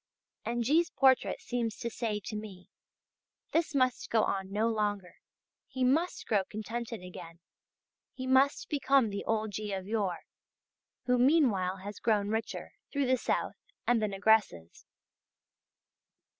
And G's. portrait seems to say to me: this must go on no longer, he must grow contented again, he must become the old G. of yore, who meanwhile has grown richer, through the south{JJ} and the negresses.